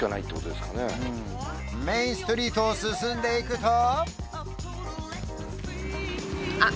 メインストリートを進んでいくとあっ